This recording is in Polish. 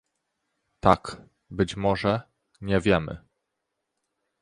"Tak, być może, nie wiemy"